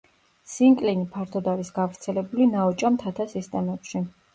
სინკლინი ფართოდ არის გავრცელებული ნაოჭა მთათა სისტემებში.